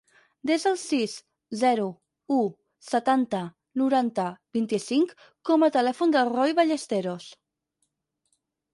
Desa el sis, zero, u, setanta, noranta, vint-i-cinc com a telèfon del Roi Ballesteros.